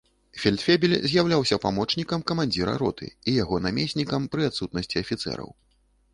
Фельдфебель з'яўляўся памочнікам камандзіра роты і яго намеснікам пры адсутнасці афіцэраў.